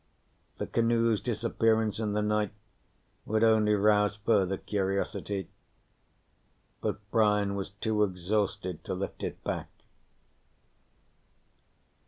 The canoe's disappearance in the night would only rouse further curiosity. But Brian was too exhausted to lift it back.